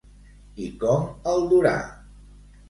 I com el durà?